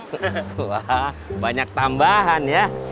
wah banyak tambahan ya